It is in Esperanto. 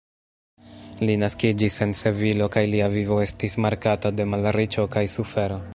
Li naskiĝis en Sevilo kaj lia vivo estis markata de malriĉo kaj sufero.